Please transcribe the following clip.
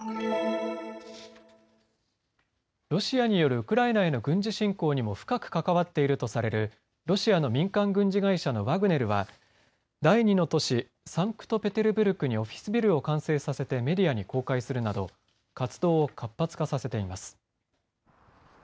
ロシアによるウクライナへの軍事侵攻にも深く関わっているとされるロシアの民間軍事会社のワグネルは第２の都市サンクトペテルブルクにオフィスビルを完成させてメディアに公開するなど活動を活発化させています。